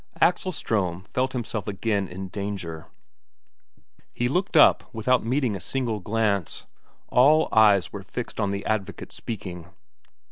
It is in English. Axel Ström felt himself again in danger. He looked up without meeting a single glance; all eyes were fixed on the advocate speaking.